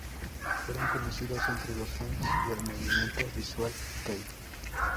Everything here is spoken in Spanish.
Fueron conocidos entre los fans del movimiento Visual kei.